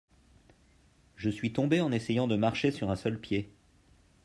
je suis tombé en essayant de marcher sur un seul pied.